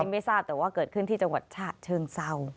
ไม่ทราบแต่ว่าเกิดขึ้นที่จังหวัดฉะเชิงเศร้า